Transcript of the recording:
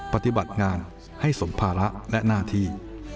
ปฏิบัติงานให้สมภาระและหน้าที่